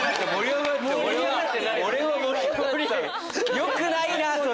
よくないなそれ。